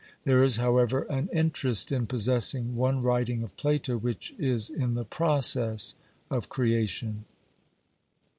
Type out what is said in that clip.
There is, however, an interest in possessing one writing of Plato which is in the process of creation.